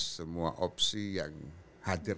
semua opsi yang hadir